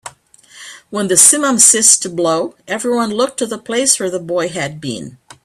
When the simum ceased to blow, everyone looked to the place where the boy had been.